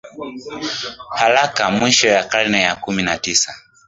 haraka Mwisho wa karne ya kumi na tisa